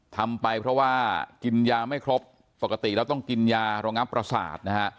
ทำไปเพราะว่ากินยาไม่ครบปกติแล้วต้องกินยารองับประสาทนะฮะ